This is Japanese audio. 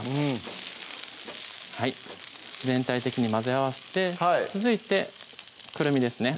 全体的に混ぜ合わせて続いてくるみですね